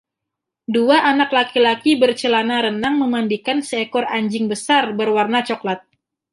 Dua anak laki-laki bercelana renang memandikan seekor anjing besar berwarna cokelat.